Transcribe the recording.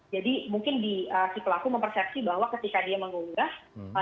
jadi mungkin si pelaku mempersepsi bahwa ketika dia mengunggah